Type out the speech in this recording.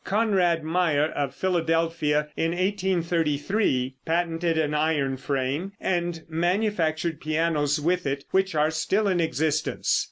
Conrad Meyer, of Philadelphia, in 1833, patented an iron frame and manufactured pianos with it, which are still in existence.